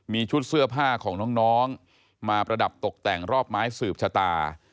มีชุดเสื้อผ้าของน้องมาประดับตกแต่งรอบไม้สืบชะตา